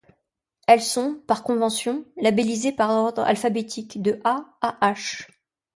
Elles sont, par convention, labelisées par ordre alphabétique, de 'a' à 'h'.